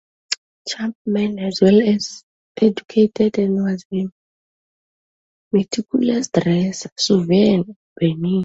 Chapman was well educated and was a meticulous dresser, suave and urbane.